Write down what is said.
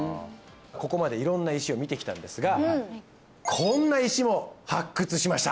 ここまで色んな石を見てきたんですがこんな石も発掘しました